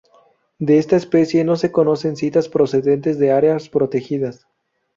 De esta especie, no se conocen citas procedentes de áreas protegidas.